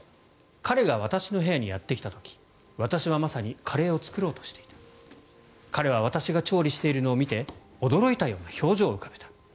彼が私の部屋にやってきた時私はまさにカレーを作ろうとしていた彼は私が調理しているのを見て驚いたような表情を浮かべた。